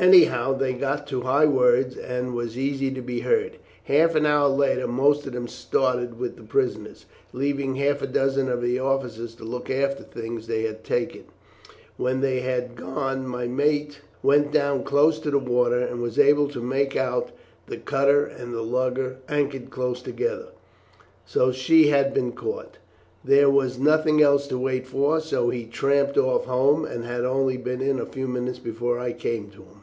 Anyhow they got to high words, as was easy to be heard. Half an hour later most of them started with the prisoners, leaving half a dozen of the officers to look after the things they had taken. When they had gone, my mate went down close to the water, and was able to make out the cutter and the lugger anchored close together so she has been caught. There was nothing else to wait for, so he tramped off home and had only been in a few minutes before I came to him."